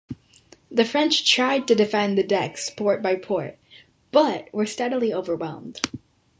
The French tried to defend the decks port by port, but were steadily overwhelmed.